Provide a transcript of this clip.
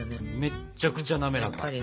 めっちゃくちゃなめらか。